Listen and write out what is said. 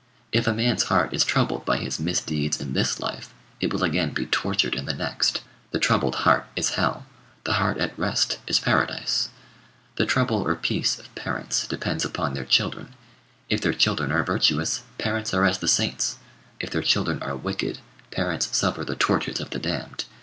If a man's heart is troubled by his misdeeds in this life, it will again be tortured in the next. The troubled heart is hell. The heart at rest is paradise. The trouble or peace of parents depends upon their children. If their children are virtuous, parents are as the saints: if their children are wicked, parents suffer the tortures of the damned.